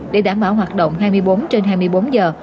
để đảm bảo hoạt động hai mươi bốn trên hai mươi bốn giờ